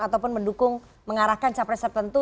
ataupun mendukung mengarahkan capreset tentu